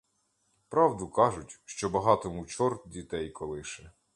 Правду кажуть, що багатому чорт дітей колише.